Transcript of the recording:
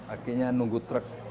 akhirnya nunggu truk